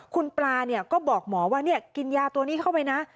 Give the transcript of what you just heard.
คุณปลาก็บอกหมอว่ากินยาตัวนี้เข้าไปนะ